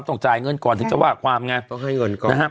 ต้องจายเงินก่อนถึงจะว่าความไง